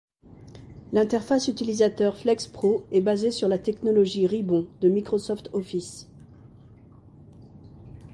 L'interface utilisateur FlexPro est basée sur la technologie Ribbon de Microsoft Office.